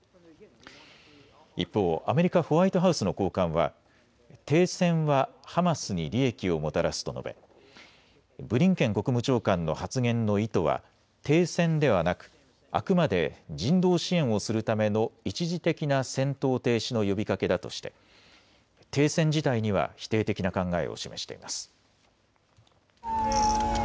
一方、アメリカ・ホワイトハウスの高官は停戦はハマスに利益をもたらすと述べブリンケン国務長官の発言の意図は停戦ではなくあくまで人道支援をするための一時的な戦闘停止の呼びかけだとして停戦自体には否定的な考えを示しています。